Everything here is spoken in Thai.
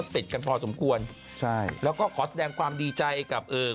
ติดกันพอสมควรใช่แล้วก็ขอแสดงความดีใจกับเอ่อ